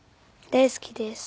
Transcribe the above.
大好きです。